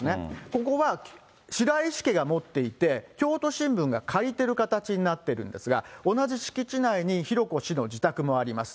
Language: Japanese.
ここは白石家が持っていて、京都新聞が借りている形になっているんですが、同じ敷地内に浩子氏の自宅もあります。